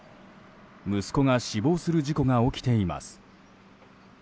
息子が死亡する事故が起きています。